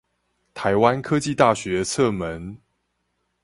臺灣科技大學側門